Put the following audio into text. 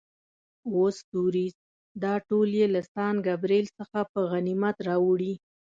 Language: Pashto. اووه ستوریز، دا ټول یې له سان ګبرېل څخه په غنیمت راوړي.